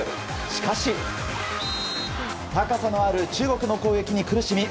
しかし、高さのある中国の攻撃に苦しみ